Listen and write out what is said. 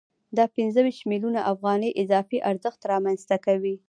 دا پنځه ویشت میلیونه افغانۍ اضافي ارزښت رامنځته کوي